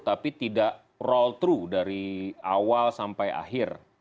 tapi tidak roll through dari awal sampai akhir